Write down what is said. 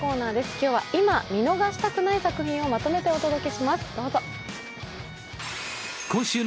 今日は今見逃したくない作品をまとめてお届けします、どうぞ。